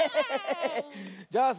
じゃあさ